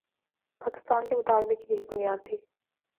پاکستان کے مطالبے کی یہی بنیاد تھی۔